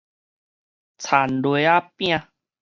田螺仔餅